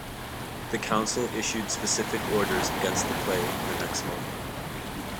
The Council issued specific orders against the play in the next month.